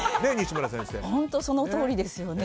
本当そのとおりですよね。